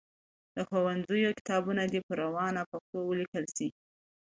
د ښوونځیو کتابونه دي په روانه پښتو ولیکل سي.